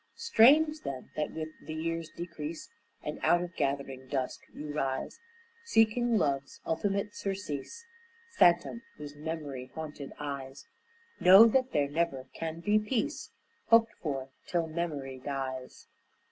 Strange, then, that with the year's decrease And out of gathering dusk you rise Seeking love's ultimate surcease, Phantom, whose memory haunted eyes Know that there never can be peace Hoped for, till memory dies.